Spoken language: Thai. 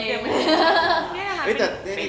นี่นะคะเป็นกิมมิตของงานผู้กิจการหนึ่งเนอะ